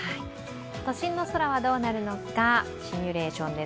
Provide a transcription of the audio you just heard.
都心の空はどうなるのかシミュレーションです。